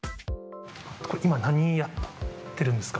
今、何やってるんですか？